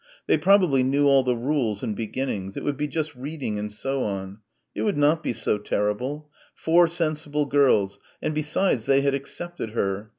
They probably knew all the rules and beginnings. It would be just reading and so on. It would not be so terrible four sensible girls; and besides they had accepted her.